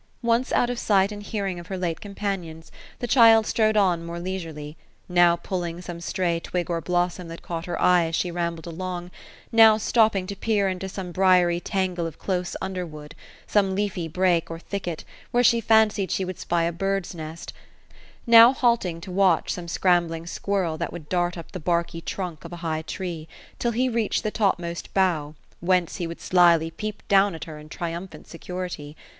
Once out of sight and hearing of her late companions, the child strolled on more leisurely ; now pulling some stray twig or blossom that caught her eye as she rambled along ; now stopping to peer into some briery tangle of close underwood, some leafy brake or thicket, where she fancied she would spy a bird's nest • now halting to watch some scrambling squirrel, that would dart up the barky trunk of a high tree, till he reached the topmost bough, whence he would slyly peep down at her in triumphant security.